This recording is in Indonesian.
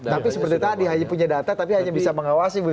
tapi seperti tadi hanya punya data tapi hanya bisa mengawasi